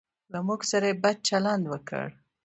له موږ سره بد چلند وکړ.